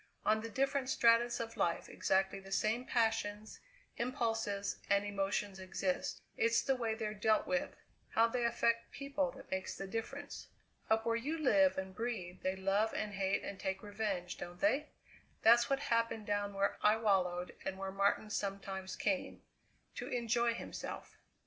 On the different stratas of life exactly the same passions, impulses, and emotions exist; it's the way they're dealt with, how they affect people, that makes the difference. Up where you live and breathe they love and hate and take revenge, don't they? That's what happened down where I wallowed and where Martin sometimes came to enjoy himself!"